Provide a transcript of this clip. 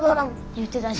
言うてたし。